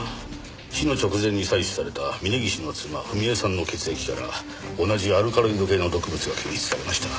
死の直前に採取された峰岸の妻文江さんの血液から同じアルカロイド系の毒物が検出されました。